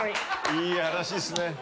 いい話っすね。